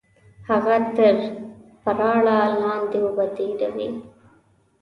هغه تر پراړه لاندې اوبه تېروي